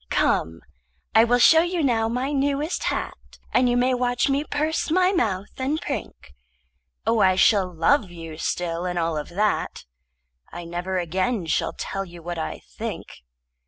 Come, I will show you now my newest hat, And you may watch me purse my mouth and prink. Oh, I shall love you still and all of that. I never again shall tell you what I think.